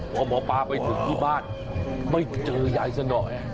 พอหมอปลาไปถึงที่บ้านไม่เจอยายสนอย